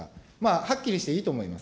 はっきりしていいと思います。